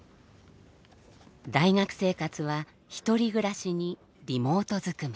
大学生活は１人暮らしにリモートずくめ。